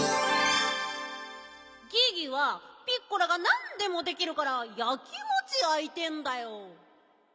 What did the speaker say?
ギギはピッコラがなんでもできるからやきもちやいてんだよ。